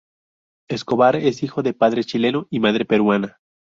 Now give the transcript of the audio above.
Escobar es hijo de padre chileno y madre peruana.